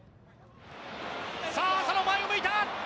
浅野、前を向いた！